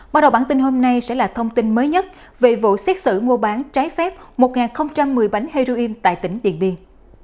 bắt đầu bản tin hôm nay sẽ là thông tin mới nhất về vụ xét xử mua bán trái phép một một mươi bánh heroin tại tỉnh điện biên